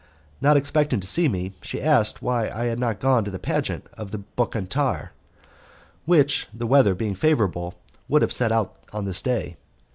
Not expecting to see me, she asked me why I had not gone to the pageant of the Bucentaur, which, the weather being favourable, would set out on this day.